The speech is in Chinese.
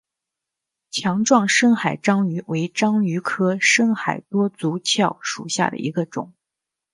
强壮深海章鱼为章鱼科深海多足蛸属下的一个种。